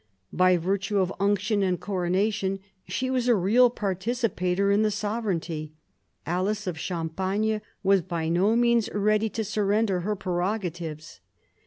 By virtue of unction and coronation, she was a real par ticipator in the sovereignty. Alice of Champagne was by no means ready to surrender her prerogatives.